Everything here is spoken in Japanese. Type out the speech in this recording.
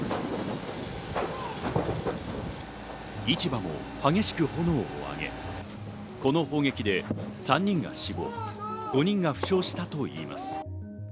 市場も激しく炎を上げ、この砲撃で３人が死亡、５人が負傷したといいます。